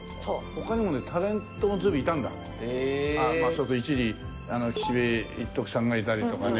それで一時岸部一徳さんがいたりとかね。